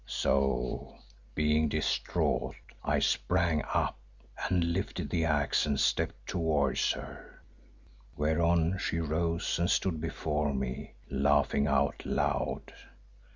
So, being distraught, I sprang up and lifted the axe and stepped towards her, whereon she rose and stood before me, laughing out loud.